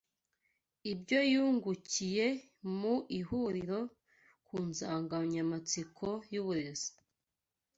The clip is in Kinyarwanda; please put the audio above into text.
ibyo yungukiye mu ihuriro ku nsanganyamatsiko y’uburezi